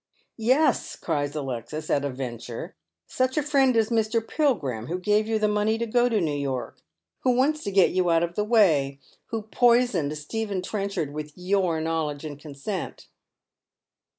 " Yes," cries Alexis at a venture, " such a friend as Mr. Pil grim, who gave you the money to go to New York, who wantai to get you out of the way, who poisoned Stephen Trenchard /itli your knowledge and consent."